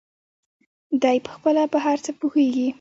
دى پخپله په هر څه پوهېږي.